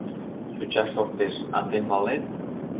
— Йоча шортеш, а тый малет?